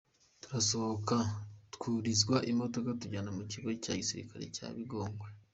Turasohoka twurizwa imodoka tujyanwa mu kigo cya gisirikare cya Bigogwe.